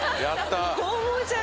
やった。